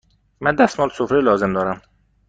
من دستمال سفره لازم دارم.